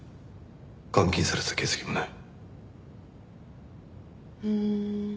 監禁された形跡もない。